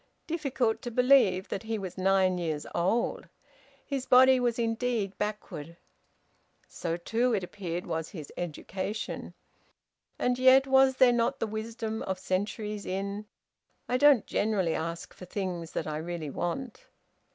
Difficult to believe that he was nine years old! His body was indeed backward. So too, it appeared, was his education. And yet was there not the wisdom of centuries in, "I don't generally ask for things that I really want?"